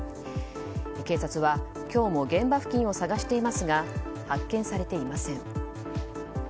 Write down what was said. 警察は、今日も現場付近を探していますが発見されていません。